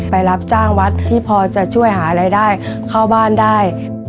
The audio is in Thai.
รับจ้างวัดที่พอจะช่วยหารายได้เข้าบ้านได้